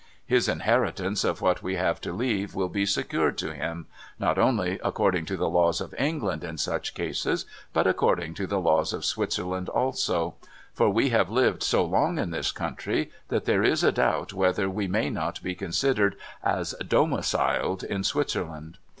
His inheritance of what we have to leave will be secured to him — not only according to the laws of England in such cases, but according to the laws of Switzerland also ; for we have lived so long in this country, that there is a doubt whether we may not be considered as " domiciled " in Switzerland.